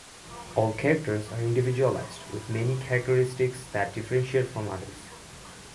All characters are individualized, with many characteristics that differentiate them from others.